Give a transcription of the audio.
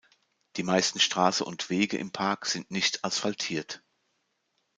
Die meisten Straßen und Wege im Park sind nicht asphaltiert.